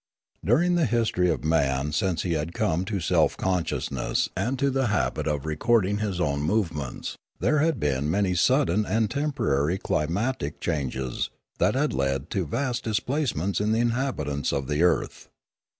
During the history of man since he had come to self consciousness and to the habit of recording his own movements, there had been many sudden and Discoveries 3l7 temporary climatic changes, that had led to vast dis placements of the inhabitants of the earth.